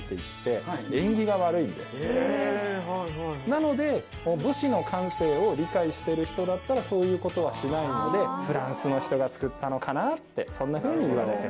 なので武士の感性を理解してる人だったらそういうことはしないのでフランスの人が作ったのかなってそんなふうにいわれてます。